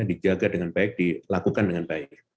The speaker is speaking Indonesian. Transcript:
dijaga dengan baik dilakukan dengan baik